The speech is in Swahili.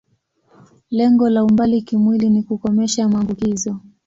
Lengo la umbali kimwili ni kukomesha maambukizo.